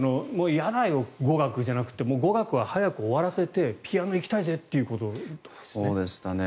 嫌だよ、語学じゃなくて語学は早く終わらせてピアノに行きたいぜってことなんですね。